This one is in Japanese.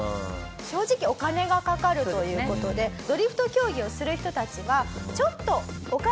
正直お金がかかるという事でドリフト競技をする人たちは。